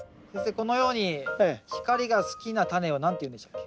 このように光が好きなタネを何ていうんでしたっけ？